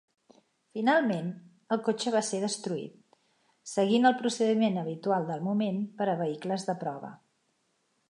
Finalment, el cotxe va ser destruït, seguint el procediment habitual del moment per a vehicles de prova.